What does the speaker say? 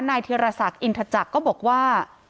เทียรศักดิ์อินทจักรก็บอกว่า